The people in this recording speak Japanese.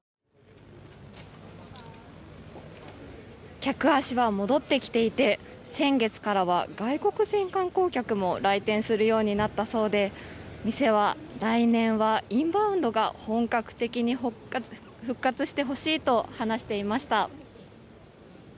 客足は戻ってきていて先月からは外国人観光客も来店するようになったそうで店は、来年はインバウンドが本格的に復活してほしいと話していました。